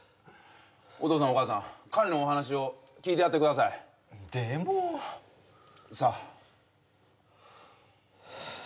お父さんお母さん彼のお話を聞いてやってくださいでもさあふう